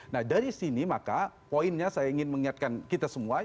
nah dari sini maka poinnya saya ingin mengingatkan kita semua